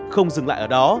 không dừng lại ở đó